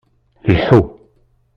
Lḥu.